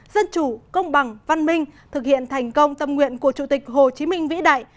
dân chủ công bằng văn minh thực hiện thành công tâm nguyện của chủ tịch hồ chí minh vĩ đại